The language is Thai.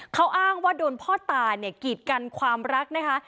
เขาอ้างว่าโดนพ่อตาเนี่ยกีดกันความรักนะคะ